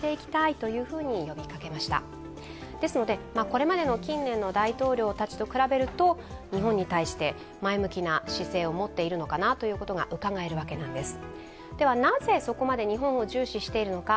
これまでの近年の大統領たちと比べると日本に対して前向きな姿勢を持っているのかなということがうかがえるわけなんです。